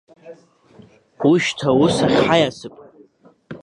Ушьҭа аус ахь ҳаиасып.